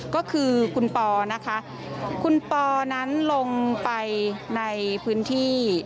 ก็คือคุณปอนะคะคุณปอนั้นลงไปในพื้นที่